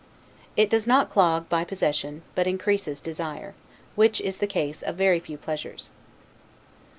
It does not clog, by possession, but increases desire; which is the case of very few pleasures.